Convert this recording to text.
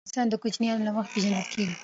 افغانستان د کوچیانو له مخي پېژندل کېږي.